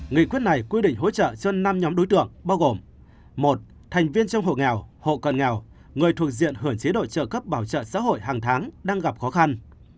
nghị quyết này quy định hỗ trợ cho năm nhóm đối tượng bao gồm một thành viên trong hộ nghèo hộ cận nghèo người thuộc diện hưởng chế độ trợ cấp bảo trợ xã hội hàng tháng đang gặp khó khăn